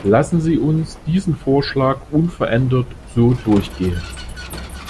Lassen Sie uns diesen Vorschlag unverändert so durchgehen!